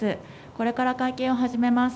これから会見を始めます。